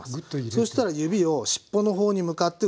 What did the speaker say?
そしたら指をしっぽの方に向かって動かしていく。